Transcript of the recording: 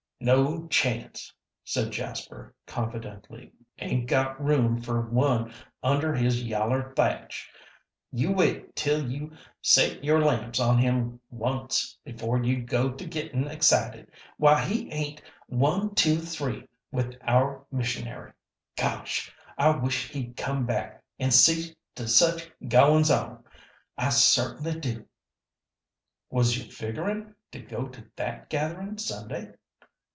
"No chance!" said Jasper, confidently. "'Ain't got room fer one under his yaller thatch. You wait till you set your lamps on him once before you go to gettin' excited. Why, he ain't one two three with our missionary! Gosh! I wish he'd come back an' see to such goin's on I certainly do." "Was you figgerin' to go to that gatherin' Sunday?"